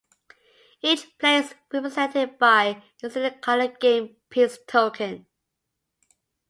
Each player is represented by a distinctly coloured game piece token.